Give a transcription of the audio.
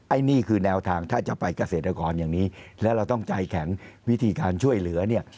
อันนี้คือแนวทางถ้าจะไปเกษตรกรอย่างนี้แล้วเราต้องใจแข็งวิธีการช่วยเหลือเนี่ย